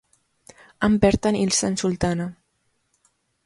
Han bertan hil zen sultana.